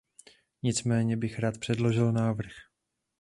Nicméně bych rád předložil návrh.